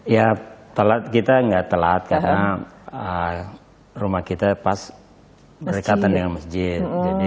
ya telat kita nggak telat karena rumah kita pas berdekatan dengan masjid